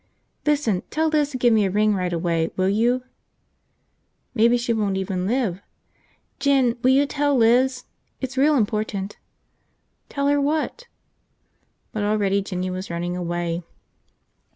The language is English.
"Listen, tell Liz to give me a ring right away, will you?" "Maybe she won't even live." "Jin, will you tell Liz? It's real important!" "Tell her what?" But already Jinny was running away.